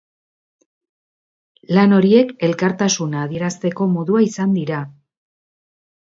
Lan horiek elkartasuna adierazteko modua izan dira.